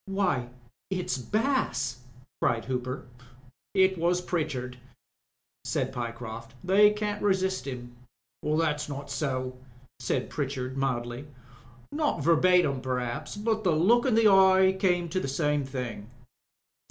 "Why, it*s Bass," cried Hooper. "It was Pritchard," said Pyecroft. "They can't resist him." "That's not so," said Pritchard, mildly. "Not verbatim per'aps, but the look in the eye came to the same thing."